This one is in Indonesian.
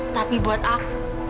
tapi buat aku